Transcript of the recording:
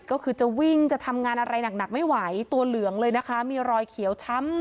ก็คือจะวิ่งจะทำงานอะไรหนักไม่ไหวตัวเหลืองเลยนะคะมีรอยเขียวช้ำ